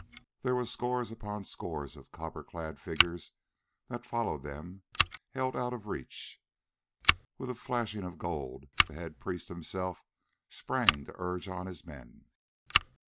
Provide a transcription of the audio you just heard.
There were scores upon scores of copper clad figures that followed them held out of reach. With a flashing of gold, the head priest himself sprang to urge on his men.